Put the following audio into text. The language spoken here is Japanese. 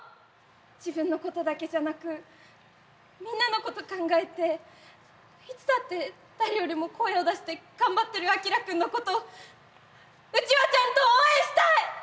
自分のことだけじゃなくみんなのこと考えていつだって誰よりも声を出して頑張ってるあきら君のことうちはちゃんと応援したい！